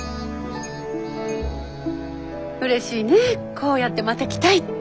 うれしいねこうやってまた来たいって。